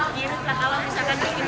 biasanya bawa dua buah jadi satu